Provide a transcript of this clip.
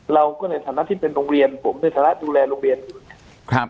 ในฐานะที่เป็นโรงเรียนผมในฐานะดูแลโรงเรียนอยู่เนี่ย